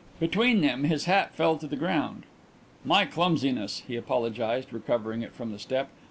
Between them his hat fell to the ground. "My clumsiness," he apologized, recovering it from the step.